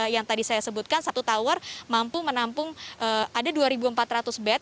yang tadi saya sebutkan satu tower mampu menampung ada dua empat ratus bed